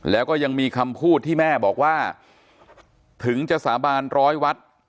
แล้วก็ยังมีคำพูดที่แม่บอกว่าถึงจะสาบานร้อยวัด